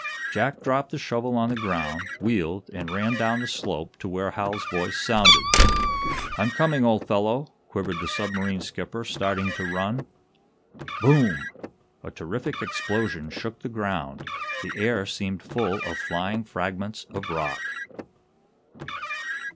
Jack dropped the shovel on the ground, wheeled, and ran down the slope to where Hal's voice sounded. "I'm coming, old fellow!" quivered the submarine skipper, starting to run. Boom! A terrific explosion shook the ground. The air seemed full of flying fragments of rock.